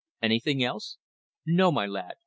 Anything else?" "No, my lad.